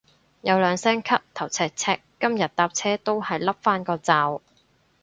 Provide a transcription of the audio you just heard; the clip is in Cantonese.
有兩聲咳頭赤赤，今日搭車都係笠返個罩